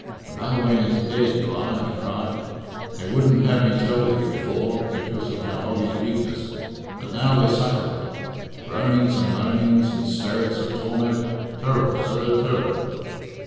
"The Ballawhaine is dead, your Honour," he cried, "They wouldn't have me tell thee before because of thy body's weakness, but now they suffer it. Groanings and moanings and 'stericks of torment! Ter'ble sir, ter'ble!